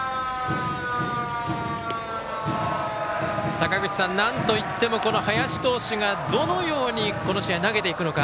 坂口さん、なんといってもこの林投手がどのようにこの試合投げてくるのか。